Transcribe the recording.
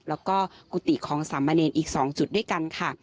แล้วก็กุฏิของสามเณรอีก๒จุดด้วยกันค่ะ